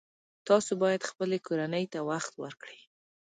تاسو باید خپلې کورنۍ ته وخت ورکړئ